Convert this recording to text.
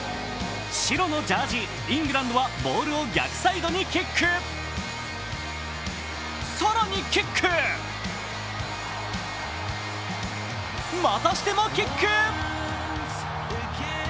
白のジャージー、員軍度はボールを逆サイドにキック、更にキック、またしてもキック。